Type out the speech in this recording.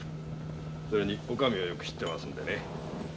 それに女将をよく知ってますんでね。